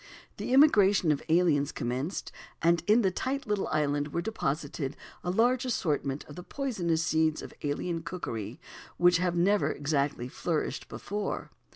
The immigration of aliens commenced, and in the tight little island were deposited a large assortment of the poisonous seeds of alien cookery which had never exactly flourished before.